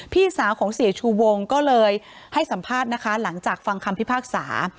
พี่สาวของเสียชูวงก็เลยให้สัมภาษณ์นะคะหลังจากฟังคำพิพากษา